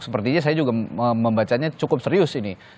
sepertinya saya juga membacanya cukup serius ini